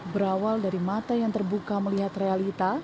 berawal dari mata yang terbuka melihat realita